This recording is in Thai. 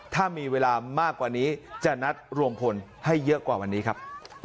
ถ้ามีเวลามากกว่านี้จะนัดรวมพลให้เยอะกว่าวันนี้ครับ